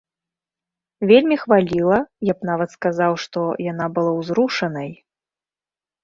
Вельмі хваліла, я б нават сказаў, што яна была ўзрушанай.